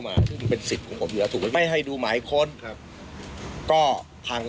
ถ้าคุณเสกคิดว่าเจ้าที่ทำเกินกว่าเหตุก็ฟ้อง